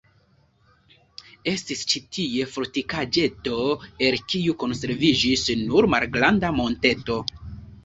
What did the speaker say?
Estis ĉi tie fortikaĵeto, el kiu konserviĝis nur malgranda monteto.